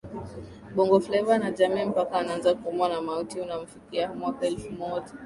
Bongo Fleva na jamii mpaka anaanza kuumwa na mauti unamfika Mwaka elfu moja